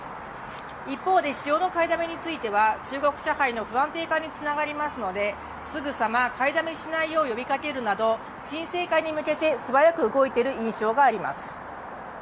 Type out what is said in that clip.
一方で塩の買いだめについては中国社会の不安定化につながりますのですぐさま、買いだめしないよう呼びかけるなど沈静化に向けて、素早く動いている印象があります。